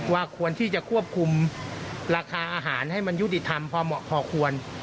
ว่าควรที่จะควบคุมราคาอาหารให้มันยุติธรรมพอควร